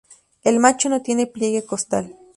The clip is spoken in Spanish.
El macho no tiene pliegue costal.